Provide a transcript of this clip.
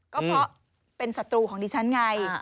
ก็เพราะเป็นศัตรูของดิฉันไง